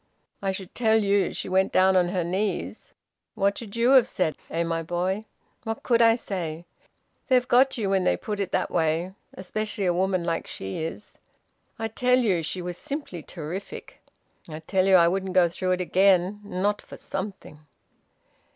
"I should tell you she went down on her knees. What should you have said, eh, my boy? What could I say? They've got you when they put it that way. Especially a woman like she is! I tell you she was simply terrific. I tell you I wouldn't go through it again not for something."